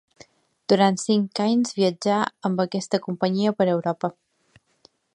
Durant cinc anys viatjà amb aquesta companyia per Europa.